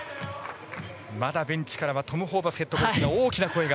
まだ、ベンチからはトム・ホーバスヘッドコーチの大きな声が。